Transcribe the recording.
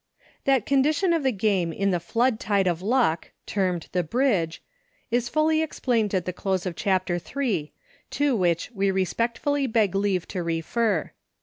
That condition of the game in the flood tide of luck, termed the Bridge, is fully explained at the close of Chapter III, to which we re spectfully beg leave to refer.